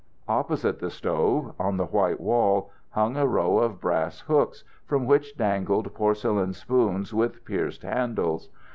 Opposite the stove, on the white wall, hung a row of brass hooks, from which dangled porcelain spoons with pierced handles.